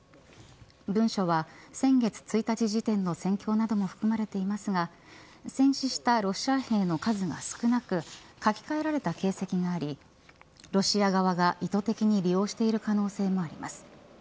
文書は先月１日時点の戦況なども含まれていますが戦死したロシア兵の数が少なく書き換えられた形跡がありロシア側が意図的に利用している可能性もあります。